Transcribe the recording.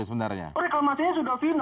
reklamasinya sudah final